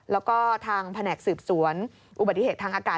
แล้วก็ทางแผนกสืบสวนอุบัติเหตุทางอากาศ